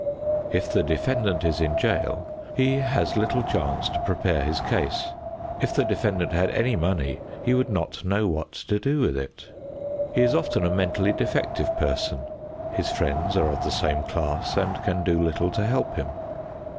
If the defendant is in jail, he has little chance to prepare his case. If the defendant had any money he would not know what to do with it. He is often a mentally defective person. His friends are of the same class and can do little to help him.